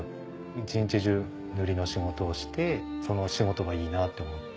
一日中塗りの仕事をしてその仕事がいいなと思って。